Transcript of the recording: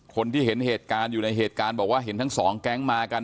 คนที่เห็นเหตุการณ์อยู่ในเหตุการณ์บอกว่าเห็นทั้งสองแก๊งมากัน